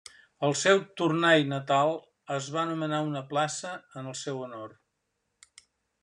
Al seu Tournai natal, es va anomenar una plaça en el seu honor.